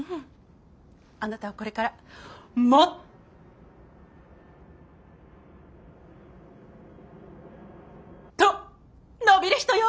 あなたはこれからもっと伸びる人よ。